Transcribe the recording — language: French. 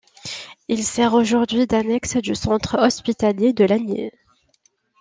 Il sert aujourd'hui d'annexe du centre hospitalier de Lagny.